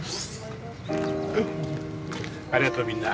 ありがとうみんな。